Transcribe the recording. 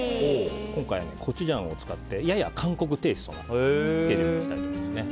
今回、コチュジャンを使ってやや韓国テイストのつけ汁にしたいと思います。